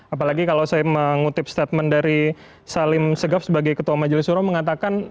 apalagi kalau saya mengutip statement dari salim segaf sebagai ketua majelis suro mengatakan